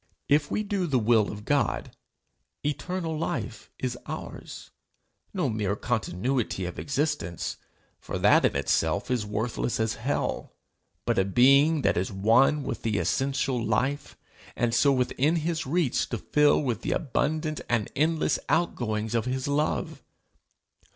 If we do the will of God, eternal life is ours no mere continuity of existence, for that in itself is worthless as hell, but a being that is one with the essential Life, and so within his reach to fill with the abundant and endless out goings of his love.